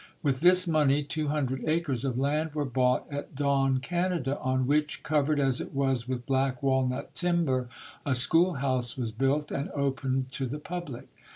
With this money two hundred acres of land were bought at Dawn, Canada, on which, covered as it was with black walnut timber, a schoolhouse was built and opened to the public.